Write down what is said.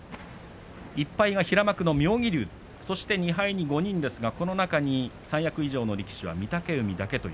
１敗が平幕の妙義龍そして２敗に５人ですがこの中に三役以上の力士は御嶽海だけ。